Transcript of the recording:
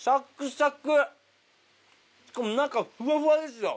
しかも中ふわふわですよ！